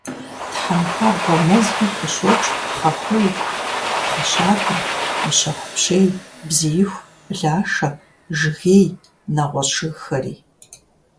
Тхьэмпабгъуэ мэзхэм къыщокӀ пхъэхуей, пхъэщабэ, мыщэхупщей, бзииху, блашэ, жыгей, нэгъуэщӀ жыгхэри.